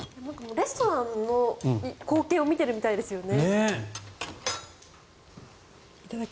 レストランの光景を見てるみたいですよね。